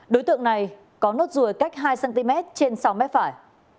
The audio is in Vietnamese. đối tượng này có nốt ruồi cách hai cm trên sáu m phải